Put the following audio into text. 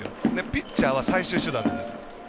ピッチャーは最終手段なんです。